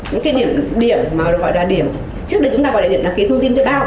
những cái điểm mà gọi là điểm trước đây chúng ta gọi là điểm đăng ký thông tin tự au